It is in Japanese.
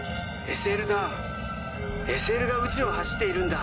「ＳＬだ」「ＳＬが宇宙を走っているんだ」